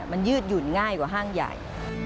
มันยืดหยุ่นง่ายกว่าห้างใหญ่